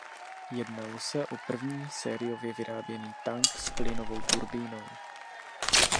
Jednalo se o první sériově vyráběný tank s plynovou turbínou.